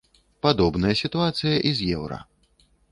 Падобная сітуацыя і з еўра.